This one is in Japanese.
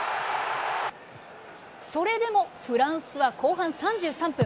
それでもフランスは後半３３分。